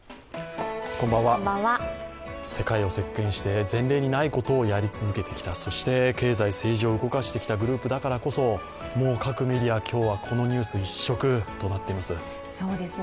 世界を席巻して、前例にないことをやり続けてきた、そして経済政治を動かしてきたグループだからこそもう各メディア、今日はこのニュース一色となっています。